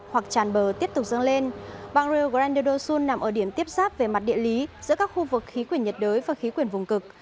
hoặc tràn bờ tiếp tục dâng lên bang real grande do sul nằm ở điểm tiếp xác về mặt địa lý giữa các khu vực khí quyển nhiệt đới và khí quyển vùng cực